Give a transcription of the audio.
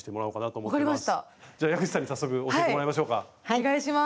お願いします。